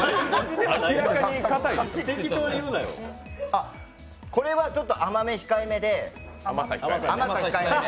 あ、これはちょっと甘み控えめであ、甘さ。